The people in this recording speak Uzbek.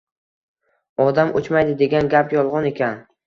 Odam uchmaydi, degan gap yolg‘on ekan